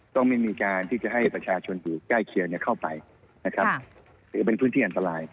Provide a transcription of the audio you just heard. ต้องมีการที่จะให้ประชาชนอยู่ใกล้เกลียรเข้าไป